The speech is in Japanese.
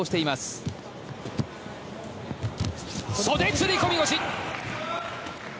袖釣り込み腰！